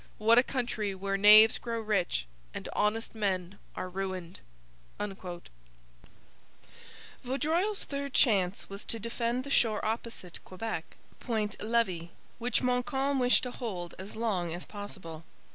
'What a country, where knaves grow rich and honest men are ruined!' Vaudreuil's third chance was to defend the shore opposite Quebec, Point Levis, which Montcalm wished to hold as long as possible.